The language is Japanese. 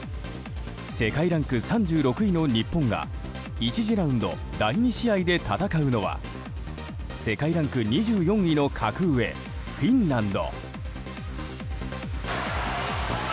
世界ランク３６位の日本が１次ラウンド第２試合で戦うのは世界ランク２４位の格上フィンランド。